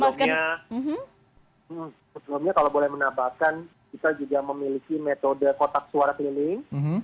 sebelumnya kalau boleh menambahkan kita juga memiliki metode kotak suara keliling